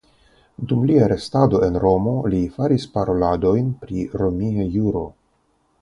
Dum lia restado en Romo li faris paroladojn pri romia juro.